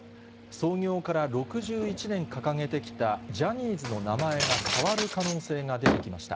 創業から６１年掲げてきたジャニーズの名前が変わる可能性が出てきました。